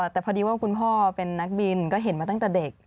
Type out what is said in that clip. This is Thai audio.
แต่พอดีว่าคุณพ่อเป็นนักบินก็เห็นมาตั้งแต่เด็ก